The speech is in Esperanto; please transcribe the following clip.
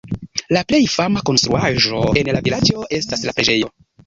La plej fama konstruaĵo en la vilaĝo estas la preĝejo.